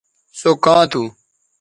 سو کاں تھو